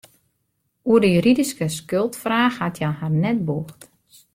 Oer de juridyske skuldfraach hat hja har net bûgd.